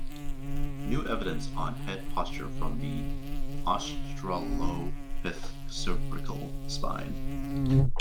New evidence on head posture from the australopith cervical spine.